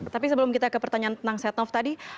tapi sebelum kita ke pertanyaan tentang setnov tadi